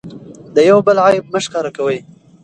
د یو بل عیب مه ښکاره کوئ.